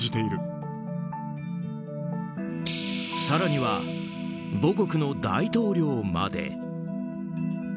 更には、母国の大統領まで。